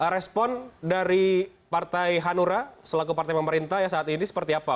respon dari partai hanura selaku partai pemerintah saat ini seperti apa